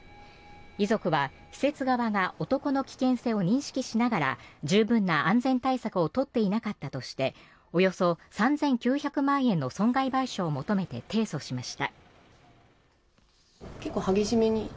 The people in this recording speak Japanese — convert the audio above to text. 遺族は、施設側が男の危険性を認識しながら十分な安全対策を取っていなかったとしておよそ３９００万円の損害賠償を求めて提訴しました。